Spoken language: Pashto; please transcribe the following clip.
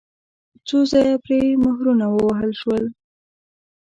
څو ځایه پرې مهرونه ووهل شول.